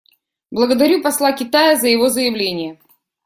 Благодарю посла Китая за его заявление.